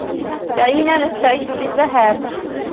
دعينا نستعد للذهاب.